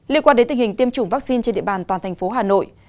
liên quan đến tình hình tiêm chủng vaccine trên địa bàn toàn thành phố hà nội